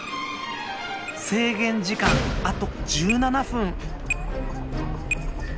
制限時間あと１７分！